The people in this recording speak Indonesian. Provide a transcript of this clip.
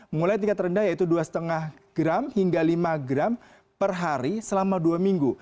mulai tingkat rendah yaitu dua lima gram hingga lima gram per hari selama dua minggu